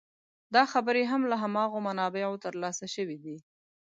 دا خبرې هم له هماغو منابعو تر لاسه شوې دي.